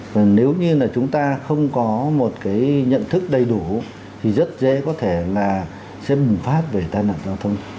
và nếu như là chúng ta không có một cái nhận thức đầy đủ thì rất dễ có thể là sẽ bùng phát về tai nạn giao thông